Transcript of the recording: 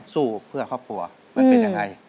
สู้เพื่อครอบครัวมันเป็นยังไง